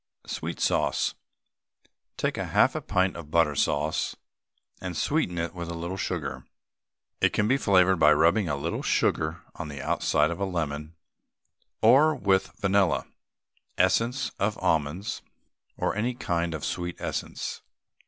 SWEET SAUCE. Take half a pint of butter sauce, and sweeten it with a little sugar. It can be flavoured by rubbing a little sugar on the outside of a lemon, or with vanilla, essence of almonds, or any kind of sweet essence.